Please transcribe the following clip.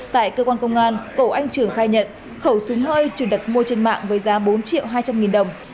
tại cơ quan công an cổ anh trường khai nhận khẩu súng hơi trừ đặt mua trên mạng với giá bốn triệu hai trăm linh nghìn đồng